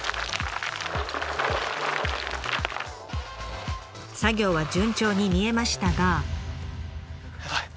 作業は順調に見えましたが。